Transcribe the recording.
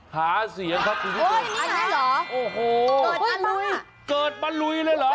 หาเสียงเขาตรงนี้เกิดมาอ่ะโอ้โหเกิดมันลุยเลยเหรอ